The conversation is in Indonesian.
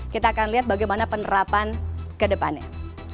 kita akan lihat bagaimana penerapan ke depannya